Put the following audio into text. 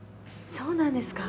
そうなんですか？